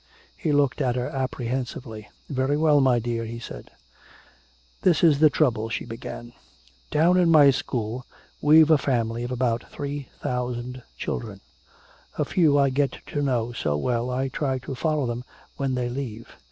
He looked at her apprehensively. "Very well, my dear," he said. "This is the trouble," she began. "Down in my school we've a family of about three thousand children. A few I get to know so well I try to follow them when they leave.